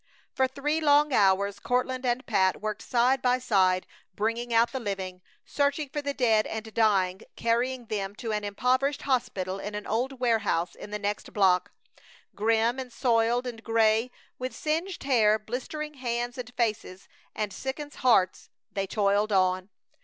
For three long hours Courtland and Pat worked side by side, bringing out the living, searching for the dead and dying, carrying them to an improvised hospital in an old warehouse in the next block. Grim and soiled and gray, with singed hair, blistered hands and faces, and sickened hearts, they toiled on.